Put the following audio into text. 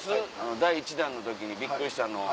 第１弾の時にびっくりしたの。